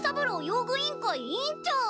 用具委員会委員長！